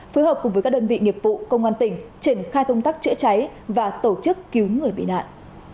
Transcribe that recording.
phối hợp cùng với các đơn vị nghiệp vụ công an tỉnh triển khai công tác chữa cháy và tổ chức cứu người bị nạn